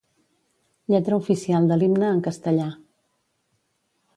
Lletra oficial de l'himne en castellà.